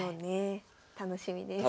楽しみです。